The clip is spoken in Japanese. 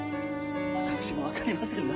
私も分かりませぬが。